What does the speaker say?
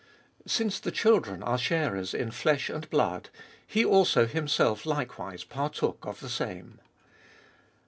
Since the children are sharers in flesh and blood, He also Himself likewise partook of the same.